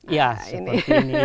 ya seperti ini